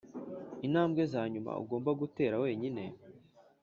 intambwe zanyuma ugomba gutera wenyine.